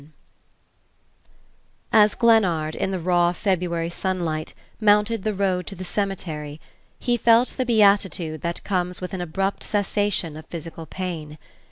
XI As Glennard, in the raw February sunlight, mounted the road to the cemetery, he felt the beatitude that comes with an abrupt cessation of physical pain.